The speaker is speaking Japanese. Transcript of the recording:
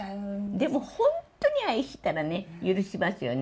でも本当に愛してたらね、許しますよね。